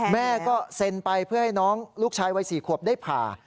แม่ก็เซ็นไปเพื่อให้น้องลูกชายวัย๔ขวบได้ผ่า